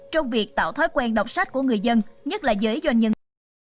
trong việc tạo thói quen đọc sách của người dân nhất là giới doanh nhân